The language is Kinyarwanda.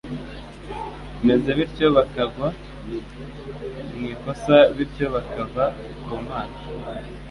maze bityo bakagwa mw’ikosa, bityo bakava ku Mana